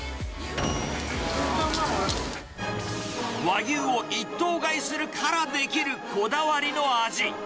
和牛を一頭買いするからできるこだわりの味。